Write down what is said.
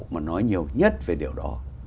mà nói nhiều nhất về điều đó